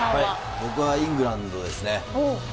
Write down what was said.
僕はイングランドですね。